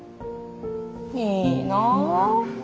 いいなぁ。